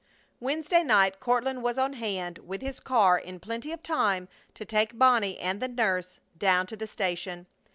Wednesday night Courtland was on hand with his car in plenty of time to take Bonnie and the nurse down to the station.